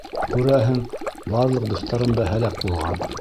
Күрәһең, барлыҡ дуҫтарым да һәләк булған.